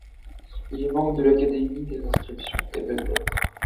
Il est membre de l'Académie des inscriptions et belles-lettres.